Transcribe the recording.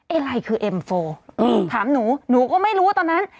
อะไรคือเอ็มโฟถามหนูหนูก็ไม่รู้ตอนนั้น